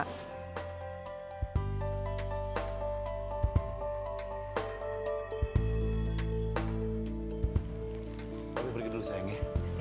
tapi pergi dulu sayang ya